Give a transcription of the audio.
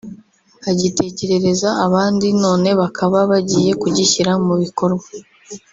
agitekerereza abandi none bakaba bagiye kugishyira mu bikorwa